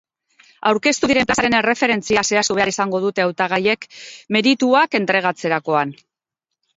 Aurkeztu diren plazaren erreferentzia zehaztu behar izango dute hautagaiek merituak entregatzerakoan.